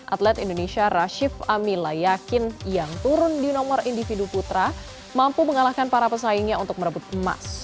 atlet indonesia rashif amila yakin yang turun di nomor individu putra mampu mengalahkan para pesaingnya untuk merebut emas